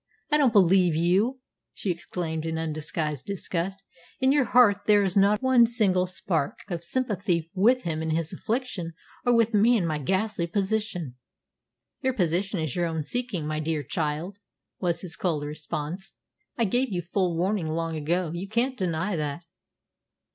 "I don't believe you!" she exclaimed in undisguised disgust. "In your heart there is not one single spark of sympathy with him in his affliction or with me in my ghastly position!" "Your position is only your own seeking, my dear child," was his cold response. "I gave you full warning long ago. You can't deny that."